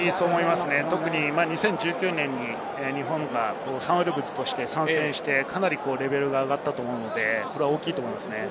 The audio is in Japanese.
２０１９年に日本がサンウルブズとして参戦して、かなりレベルが上がったと思うので、これは大きいと思いますね。